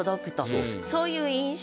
そういう印象